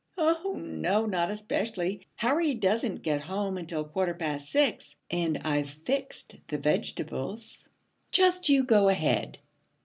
'Oh, no, not especially. Harry doesn't get home until quarter past six, and I've fixed the vegetables. Just you go ahead.'